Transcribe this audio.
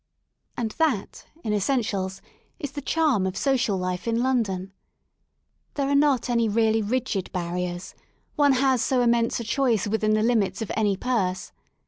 And that, in essentials, is the charm of social life in London « There are not any really rigid barriers; one has so immense a choice within the limits of any purse.